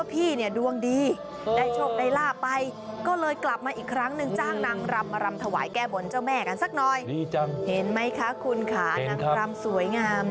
ผมมีเพลงหนึ่งให้นางรับกลุ่มนี้ด้วย